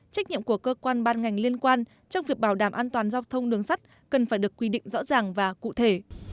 trách nhiệm của cơ quan ban ngành liên quan trong việc bảo đảm an toàn giao thông đường sắt cần phải được quy định rõ ràng và cụ thể